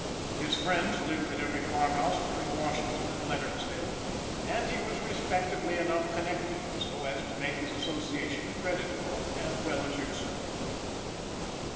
His friends lived at every farmhouse between Washington and Leonardsville, and he was respectably enough connected, so as to make his association creditable as well as useful.